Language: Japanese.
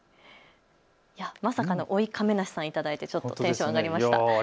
まさかの追い亀梨さん頂いてテンション上がりました。